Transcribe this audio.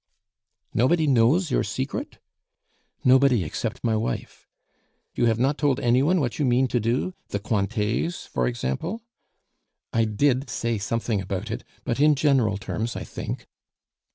"Nobody knows your secret?" "Nobody except my wife." "You have not told any one what you mean to do the Cointets, for example?" "I did say something about it, but in general terms, I think."